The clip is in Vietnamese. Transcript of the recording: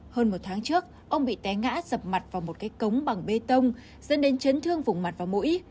hơn một tháng trước ông bị té ngã sập mặt vào một cái cống bằng bê tông dẫn đến chấn thương vùng mặt và mũi